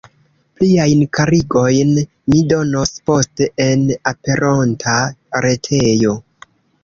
Pliajn klarigojn mi donos poste en aperonta retejo.